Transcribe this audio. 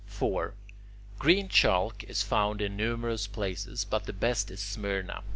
4. Green chalk is found in numerous places, but the best at Smyrna.